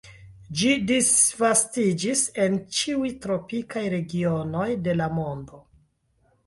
Ĝi disvastiĝis en ĉiuj tropikaj regionoj de la mondo.